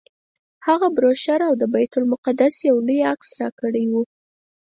هغه بروشر او د بیت المقدس یو لوی عکس راکړی و.